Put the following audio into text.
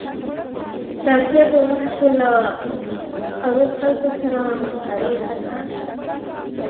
د اړتیا په وخت کې له اړو خلکو سره همکاري ښه کار دی.